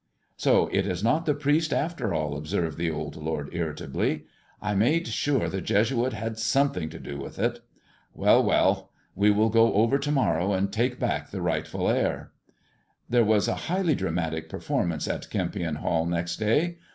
" So it is not the priest, after all," observed the old lord irritably. " I made sure the Jesuit had something to do THE JESUIT AND THE MEXIQAN COIN 299 with it. Well ! well ! we will go over to morrow, and take back the rightful heir." There was a highly dramatic performance at Kempion Hall next day.